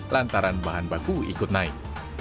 lantaran bahan baku ikut naik